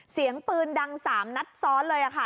เสียงปืนดัง๓นัดซ้อนเลยค่ะ